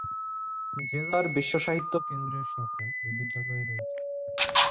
জেলার বিশ্ব সাহিত্য কেন্দ্রের শাখা এ বিদ্যালয়ে রয়েছে।